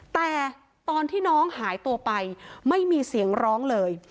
แต่ตอนที่น้องหายตัวไปไม่มีเสียงร้องเลย